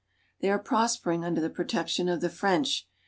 They ^prospering under the protection of the French.